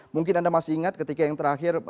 mungkin anda masih ingat ketika yang terakhir